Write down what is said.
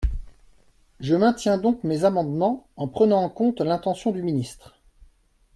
Je maintiens donc mes amendement, en prenant en compte l’intention du ministre.